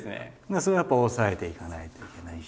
それはやっぱ抑えていかないといけないし。